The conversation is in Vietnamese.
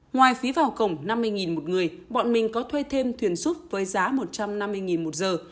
ngoài phí vào cổng năm mươi một người bọn mình có thuê thêm thuyền súp với giá một trăm năm mươi một giờ